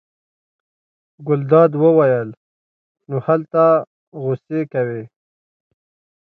ګلداد وویل: نو هلته غوسې کوې.